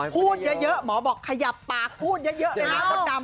พูดเยอะหมอบอกขยับปากพูดเยอะเลยนะมดดำ